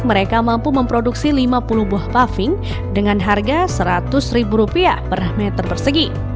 mereka mampu memproduksi lima puluh buah paving dengan harga seratus ribu rupiah per meter persegi